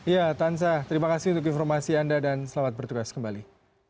ya tansa terima kasih untuk informasi anda dan selamat bertugas kembali